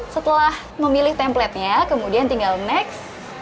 setelah memilih templetnya kemudian tinggal next